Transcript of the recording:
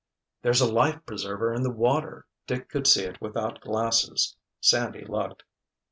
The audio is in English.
"There's a life preserver in the water!" Dick could see it without glasses. Sandy looked.